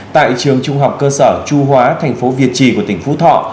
tại trường trung học cơ sở trung hóa thành phố việt trì của tỉnh phú thọ